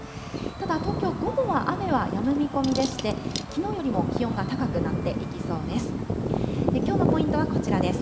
ただ東京、午後は雨はやむ見込みでして、きのうよりも気温が高くなっていきそうです。